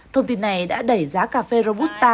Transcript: thông tin này đã đẩy giá cà phê robusta